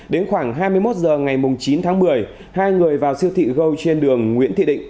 đến khoảng hai mươi một h ngày chín tháng một mươi hai người vào siêu thị gâu trên đường nguyễn thị định